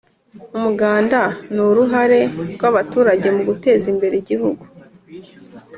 Umuganda ni uruhare rw abaturage mu guteza imbere igihugu